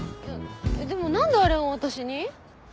でも何であれを私に？